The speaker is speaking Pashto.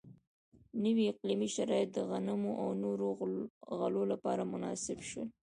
نوي اقلیمي شرایط د غنمو او نورو غلو لپاره مناسب شول.